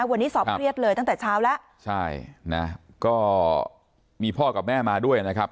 วันนี้สอบเครียดเลยตั้งแต่เช้าแล้วใช่นะก็มีพ่อกับแม่มาด้วยนะครับ